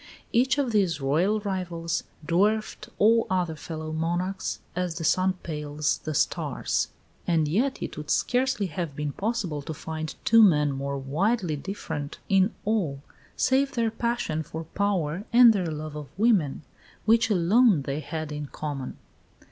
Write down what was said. Each of these Royal rivals dwarfed all other fellow monarchs as the sun pales the stars; and yet it would scarcely have been possible to find two men more widely different in all save their passion for power and their love of woman, which alone they had in common.